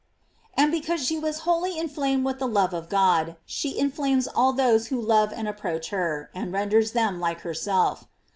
"f And because she was wholly inflamed with the love of God, she inflames all those who love and approach her, and renders them like herself.